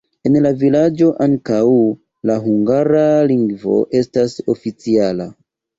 En la vilaĝo ankaŭ la hungara lingvo estas oficiala.